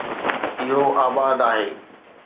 اهو آباد آهي